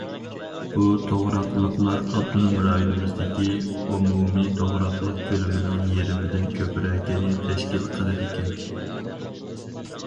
بۇ توغراقلىقلار ئاپتونوم رايونىمىزدىكى ئومۇمىي توغراقلىق كۆلىمىنىڭ يېرىمىدىن كۆپرەكىنى تەشكىل قىلىدىكەن.